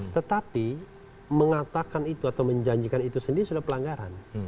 tetapi mengatakan itu atau menjanjikan itu sendiri sudah pelanggaran